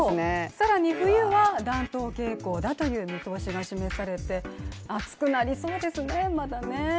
更に冬は暖冬傾向だという見通しが示されて、暑くなりそうですね、まだね。